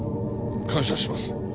感謝します。